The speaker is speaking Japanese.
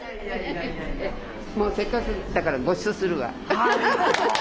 もうせっかくだからごちそうするわ。